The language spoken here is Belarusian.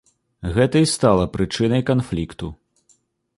Гэта і стала прычынай канфлікту.